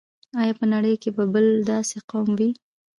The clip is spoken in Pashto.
آیا په نړۍ کې به بل داسې قوم وي.